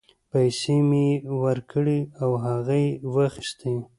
پیسې مې یې ورکړې او هغه یې واخیستې.